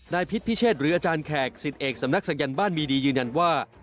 พิษพิเชษหรืออาจารย์แขกสิทธิเอกสำนักศักยันต์บ้านมีดียืนยันว่า